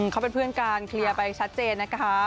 เขาเป็นเพื่อนกันเคลียร์ไปชัดเจนนะคะ